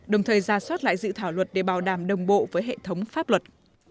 đồng thời ra soát lại dự thảo luật để bảo đảm đồng bộ với hệ thống pháp luật